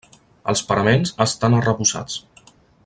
Els paraments estan arrebossats.